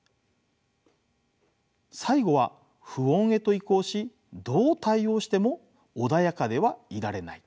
最後は不穏へと移行しどう対応しても穏やかではいられない。